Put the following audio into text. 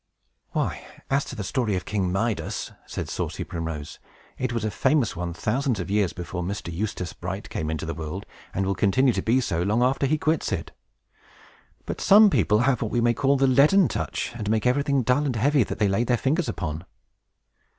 "Why, as to the story of King Midas," said saucy Primrose, "it was a famous one thousands of years before Mr. Eustace Bright came into the world, and will continue to be so long after he quits it. But some people have what we may call 'The Leaden Touch,' and make everything dull and heavy that they lay their fingers upon."